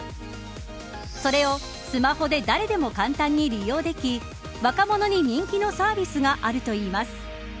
それをスマホで誰でも簡単に利用でき若者に人気のサービスがあるといいます。